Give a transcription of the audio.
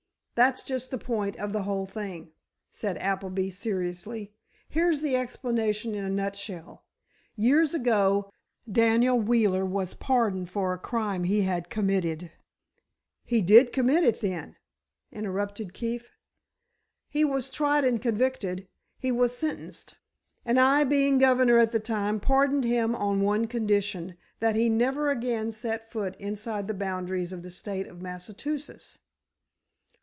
"That's just the point of the whole thing," said Appleby, seriously; "here's the explanation in a nutshell. Years ago, Daniel Wheeler was pardoned for a crime he had committed——" "He did commit it, then?" interrupted Keefe. "He was tried and convicted. He was sentenced. And I, being governor at the time, pardoned him on the one condition, that he never again set foot inside the boundaries of the State of Massachusetts."